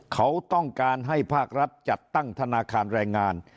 เขาต้องการให้ภาครัฐจัดตั้งธนาคารแรงงาน